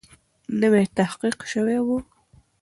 نوی تحقیق سوی وو.